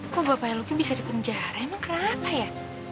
kok bapaknya lucky bisa di penjara emang kenapa ya